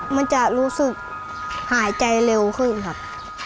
มันจะรู้สึกหายใจเร็วขึ้นครับ